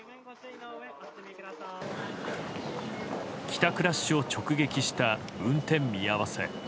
帰宅ラッシュを直撃した運転見合わせ。